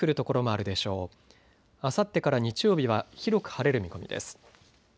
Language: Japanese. あさってから日曜日は広く晴れる見込みです。